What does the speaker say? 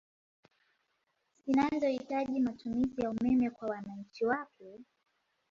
Zinazo hitaji matumizi ya umeme kwa wananchi wake